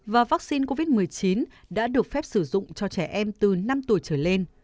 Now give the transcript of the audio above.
và vaccine covid một mươi chín đã được phép sử dụng cho trẻ em từ năm tuổi trở lên